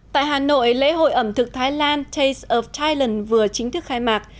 tại hà nội lễ hội ẩm thực thái lan taste of thailand vừa chính thức khai mạc